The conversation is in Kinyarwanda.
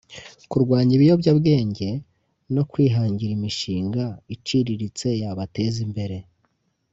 kurwanya ibiyobyabwenge no kwihangira imishinga iciriritse yabateza imbere